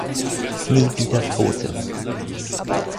Nie wieder Tote!